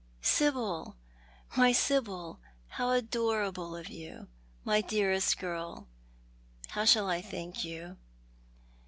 "Sibyl, my Sibyl, how adorable of you. My dearest girl/how shall I thank you